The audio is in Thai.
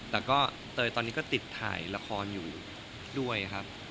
แต่ก็เตยตอนนี้ก็ติดถ่ายละครอยู่ด้วยครับ